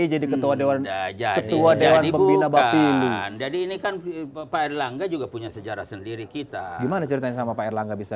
jadi ini kan pak erlangga